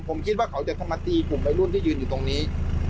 ผมคิดว่าเขาจะทำตีขุมใบรุ่นที่ยืนอยู่ตรงนี้